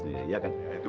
saya penggoda yaa